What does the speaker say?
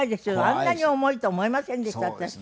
あんなに重いと思いませんでした私。